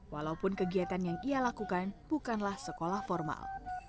walaupun kegiatan yang ia lakukan bukanlah sekolah formal